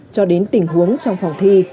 cho đến tình huống trong phòng thi